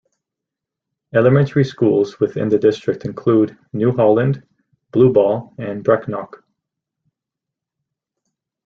Elementary schools within the district include: New Holland, Blue Ball and Brecknock.